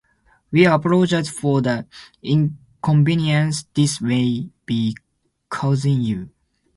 We apologize for the inconvenience this may be causing you.